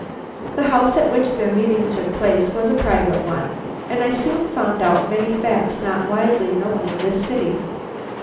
"The house at which their meeting took place was a private one, and I soon found out many facts not widely known in this city.